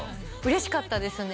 嬉しかったですね